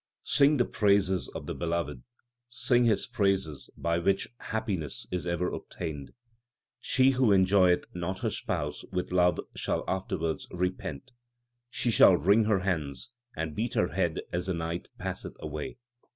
Sing the praises of the Beloved ; sing His praises by which happiness is ever obtained. She who enjoy eth not her Spouse with love shall after wards repent. She shall wring her hands, and beat her head as the night passeth away.